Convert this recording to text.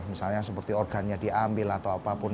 misalnya seperti organnya diambil atau apapun